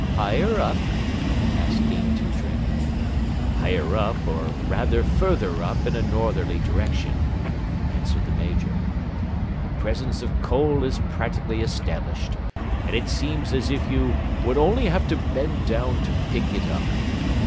"Higher up?" asked Dean Toodrink. "Higher up, or rather further up, in a northerly direction," answered the Major, "the presence of coal is practically established, and it seems as if you would only have to bend down to pick it up.